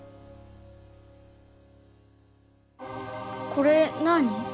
これなあに？